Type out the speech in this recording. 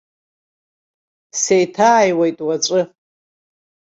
Сеиҭаиуеит уаҵәы.